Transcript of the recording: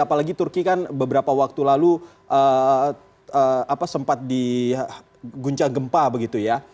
apalagi turki kan beberapa waktu lalu sempat diguncang gempa begitu ya